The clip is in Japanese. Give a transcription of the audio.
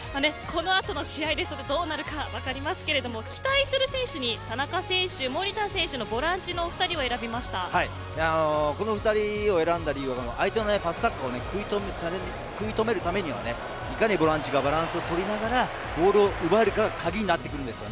この後の試合どうなるか分かりますけれど期待する選手に田中選手、守田選手の２人を選んだ理由は相手のパスサッカーを食い止めるためにはしっかりボランチをがバランスを取りながらボールを奪えるかが鍵になります。